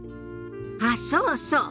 あっそうそう。